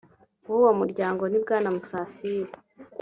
w uwo muryango ni bwana musafiri